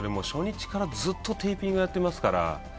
初日からずっとテーピングやってますから。